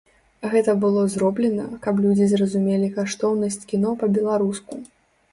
Гэта было зроблена, каб людзі зразумелі каштоўнасць кіно па-беларуску.